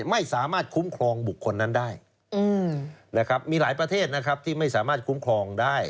ไม่สามารถคุ้มครองบุคคลนั้นได้นะครับมีหลายประเทศนะครับที่ไม่สามารถคุ้มครองได้